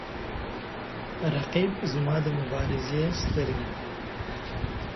رقیب زما د مبارزې سترګې ده